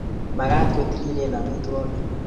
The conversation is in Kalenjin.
Magat ko tililen amitwokik